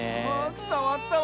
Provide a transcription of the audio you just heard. つたわったわ。